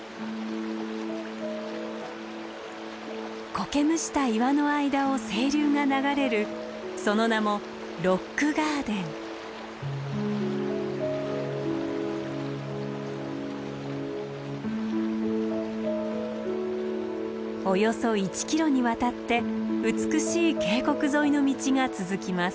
こけむした岩の間を清流が流れるその名もおよそ１ｋｍにわたって美しい渓谷沿いの道が続きます。